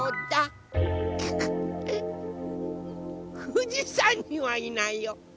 ふじさんにはいないよ。